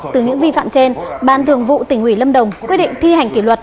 từ những vi phạm trên ban thường vụ tỉnh ủy lâm đồng quyết định thi hành kỷ luật